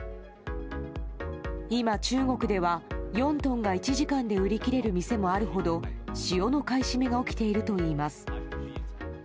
今、中国では４トンが１時間で売り切れる店もあるほど、塩の買い占めが起きているといいます。